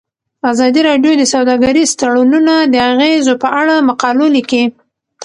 ازادي راډیو د سوداګریز تړونونه د اغیزو په اړه مقالو لیکلي.